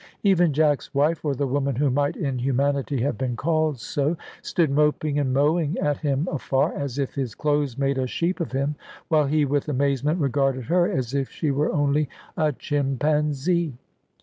Even Jack's wife, or the woman who might in humanity have been called so, stood moping and mowing at him afar, as if his clothes made a sheep of him, while he with amazement regarded her as if she were only a chimpanzee.